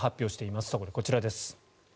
そこでこちらです。